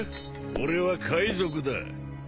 俺は海賊だ。